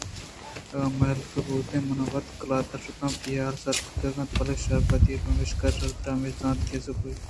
اگاں مہلہ بوتیں من وت قلات ءَ شتاں ءُوتی حال سر کُت بلئے شپ بے وہد اَت پمشکا شر تر ہمیش زانت کہ سہب بیت گُڑا رواں وتی آہگ ءِ حالءَ دیاں